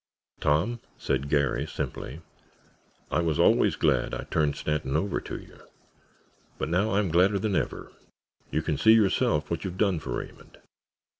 "Tom," said Garry, simply, "I was always glad I turned Stanton over to you, but now I'm gladder than ever. You can see yourself what you've done for Raymond."